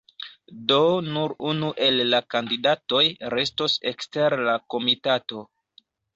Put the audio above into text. Do nur unu el la kandidatoj restos ekster la komitato.